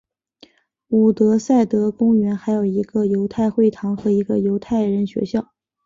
伍德塞德公园还有一个犹太会堂和一个犹太人学校。